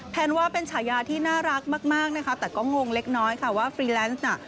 แทนว่าเป็นฉายาที่น่ารักมากนะคะแต่ก็งงเล็กน้อยค่ะว่าฟรีแลนซ์น่ะ